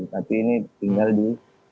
tapi ini tinggal di